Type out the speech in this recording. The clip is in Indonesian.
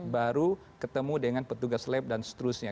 baru ketemu dengan petugas lab dan seterusnya